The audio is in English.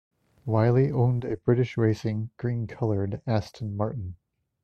Wiley owned a British racing green-colored Aston Martin.